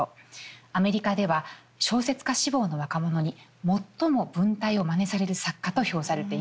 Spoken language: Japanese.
アメリカでは小説家志望の若者に最も文体をまねされる作家と評されています。